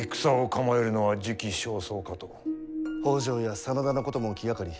北条や真田のことも気がかり。